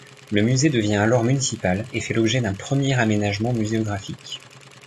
Le musée devient alors municipal et fait l'objet d'un premier aménagement muséographique.